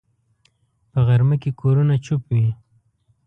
په غرمه کې کورونه چوپ وي